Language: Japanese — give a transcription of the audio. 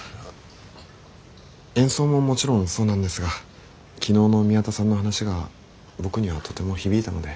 演奏ももちろんそうなんですが昨日の宮田さんの話が僕にはとても響いたので。